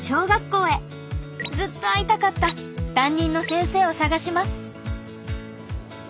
ずっと会いたかった担任の先生を探します。